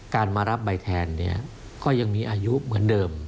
การมารับใบแทนก็ยังมีอายุเหมือนเดิม